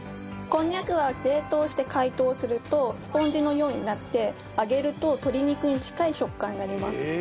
こんにゃくは冷凍して解凍するとスポンジのようになって揚げると鶏肉に近い食感になります。